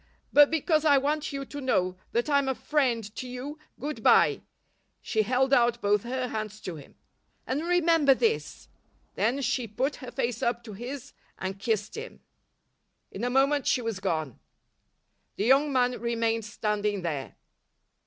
But because I want you to know that I'm a friend to you, good bye." She held out both her hands to him. "And remember this." Then she put her face up to his and kissed him. In a moment she was gone. The young man remained standing there.